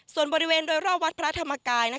ส่วนบริเวณโดยรอบวัดพระธรรมกาย